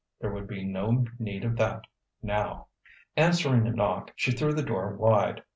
There would be no need of that, now. Answering a knock, she threw the door wide.